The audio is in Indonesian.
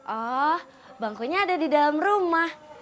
oh bangkunya ada di dalam rumah